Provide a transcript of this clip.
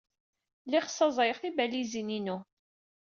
Lliɣ ssaẓayeɣ tibalizin-inu.